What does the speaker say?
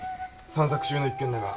探索中の一件だが。